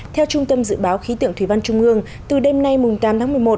theo trung tâm dự báo khí tượng thủy văn trung ương từ đêm nay tám tháng một mươi một